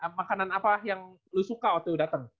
makanan apa yang lu suka waktu dateng